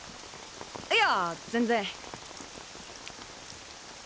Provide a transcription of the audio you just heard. いや全然。